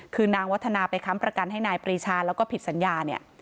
คือนางวัฒนาไปค้ำประกันให้นายปรีชาแล้วก็ผิดสัญญาเนี่ย